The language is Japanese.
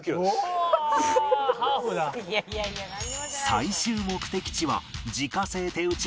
最終目的地は自家製手打ち